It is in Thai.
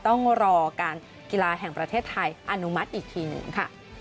ต้องรอการกีฬาแห่งประเทศไทยอนุมัติอีกทีหนึ่งค่ะ